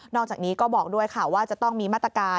อกจากนี้ก็บอกด้วยค่ะว่าจะต้องมีมาตรการ